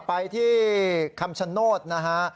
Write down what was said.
ไปที่คำชโนธนะฮะ